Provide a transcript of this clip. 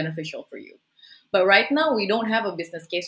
tapi sekarang kita tidak memiliki kesusahan